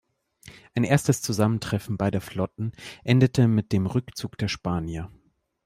Ein erstes Zusammentreffen beider Flotten endete mit dem Rückzug der Spanier.